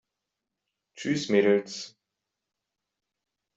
Tschüss, Mädels!